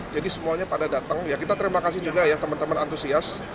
jadi semuanya pada datang ya kita terima kasih juga ya teman teman antusias